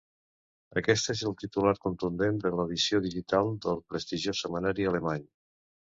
Aquest és el titular contundent de l’edició digital del prestigiós setmanari alemany.